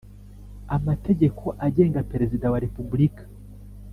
amategeko agenga Perezida wa Repubulika.